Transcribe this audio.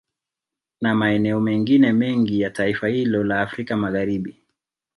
Na maeneo mengine mengi ya taifa hilo la Afrika Magharibi